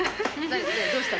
どうした？